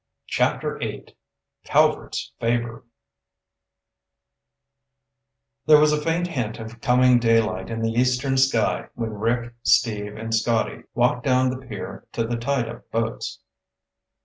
CHAPTER VIII Calvert's Favor There was a faint hint of coming daylight in the eastern sky when Rick, Steve, and Scotty walked down the pier to the tied up boats.